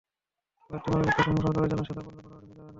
বাড়তি মনোযোগটা সৌম্য সরকারের জন্য, সেটা বললে বাড়াবাড়ি হয়ে যাবে না।